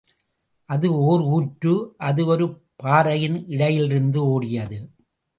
அது ஒர் ஊற்று அது ஒரு பாறையின் இடையிலிருந்து ஓடியது.